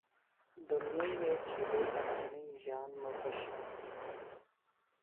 دُنیئی وےکھلیئی تیݨی ژان مہ پشانوۡ۔